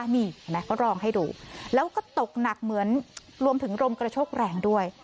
นี่เห็นไหมเขารองให้ดูแล้วก็ตกหนักเหมือนรวมถึงลมกระโชกแรงด้วย